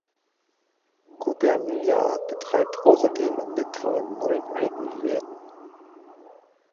Gubernija betreibt außerdem in Litauen neun eigene Läden.